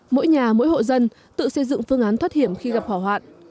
mỗi nhà mỗi hộ dân tự xây dựng phương án thoát hiểm khi gặp hỏa hoạn